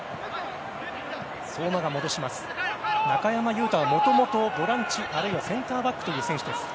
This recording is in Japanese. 中山雄太はもともとボランチ、あるいはセンターバックという選手です。